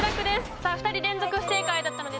さあ２人連続不正解だったので次の白石さん